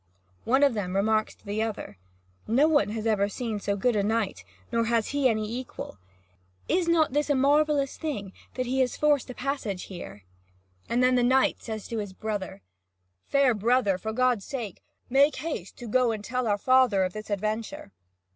One of them remarks to the other: "No one has ever seen so good a knight, nor has he any equal. Is not this a marvellous thing, that he has forced a passage here?" And the knight says to his brother: "Fair brother, for God's sake, make haste to go and tell our father of this adventure."